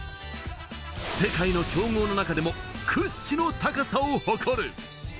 世界の強豪の中でも屈指の高さを誇る。